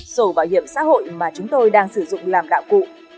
sổ bảo hiểm xã hội mà chúng tôi đang sử dụng làm đạo cụ